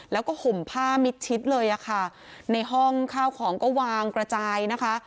แล้วก็ห่มผ้ามิดชิดเลยอะค่ะในห้องข้าวของก็วางกระจายนะคะ